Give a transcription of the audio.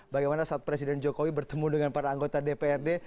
bagaimana saat presiden jokowi bertemu dengan para anggota dprd